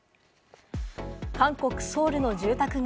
韓国・ソウルの住宅街。